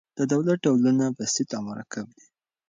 د دولت ډولونه بسیط او مرکب دي.